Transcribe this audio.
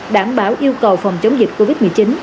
đảm bảo yêu cầu phòng chống dịch covid một mươi chín